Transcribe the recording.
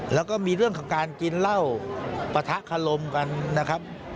แล้วก็มีเรื่องของการกินเหล้าปะทะคลมกันนะครับ